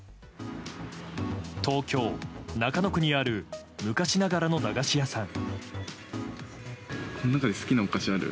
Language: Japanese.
東京・中野区にある昔ながらの駄菓子屋さん。